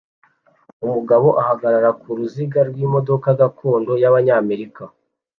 Umugabo ahagarara ku ruziga rw'imodoka gakondo y'Abanyamerika